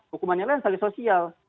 hukumannya lain saling sosial